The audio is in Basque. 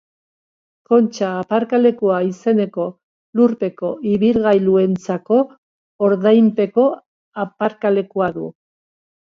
Kontxa aparkalekua izeneko lurpeko ibilgailuentzako ordainpeko aparkalekua du.